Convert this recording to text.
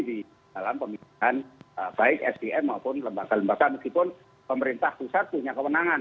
di dalam pemilihan baik sdm maupun lembaga lembaga meskipun pemerintah pusat punya kewenangan